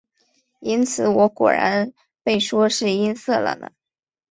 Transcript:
因此我果然被说是音色了呢。